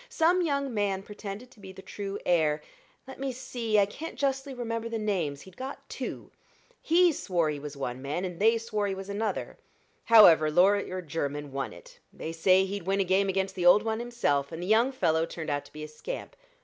Some young man pretended to be the true heir let me see I can't justly remember the names he'd got two. He swore he was one man, and they swore he was another. However Lawyer Jermyn won it they say he'd win a game against the Old One himself and the young fellow turned out to be a scamp.